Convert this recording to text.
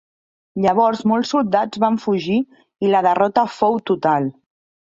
Llavors molts soldats van fugir i la derrota fou total.